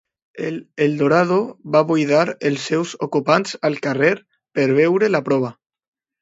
El Eldorado va buidar els seus ocupants al carrer per veure la prova.